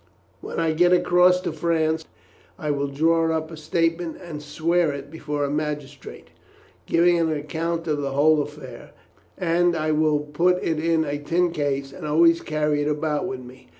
When I get across to France I will draw up a statement and swear it before a magistrate, giving an account of the whole affair, and I will put it in a tin case and always carry it about with me.